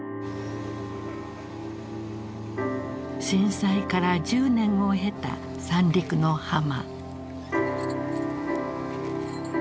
震災から１０年を経た三陸の浜。